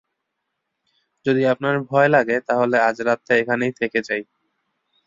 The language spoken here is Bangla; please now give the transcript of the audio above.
যদি আপনার ভয় লাগে, তাহলে আজ রাতটা এখানেই থেকে যাই।